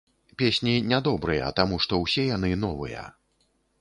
Песні не добрыя, таму што ўсе яны новыя.